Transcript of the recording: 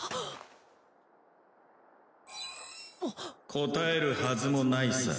答えるはずもないさ。